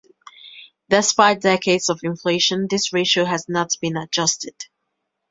Despite decades of inflation, this ratio has not been adjusted.